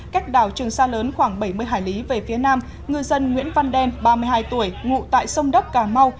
cách đảo trường sa lớn khoảng bảy mươi hải lý về phía nam ngư dân nguyễn văn đen ba mươi hai tuổi ngụ tại sông đốc cà mau